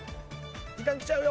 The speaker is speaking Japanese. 時間きちゃうよ。